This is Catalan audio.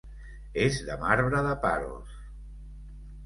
És de marbre de Paros.